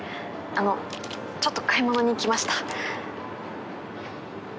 あのちょっと買い物に来ました。